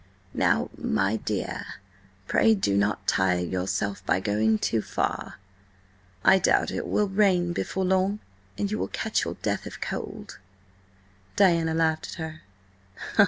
"Now, my dear, pray do not tire yourself by going too far— I doubt it will rain before long and you will catch your death of cold!" Diana laughed at her.